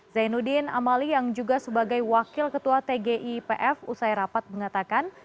zainuddin amali yang juga sebagai wakil ketua tgipf usai rapat mengatakan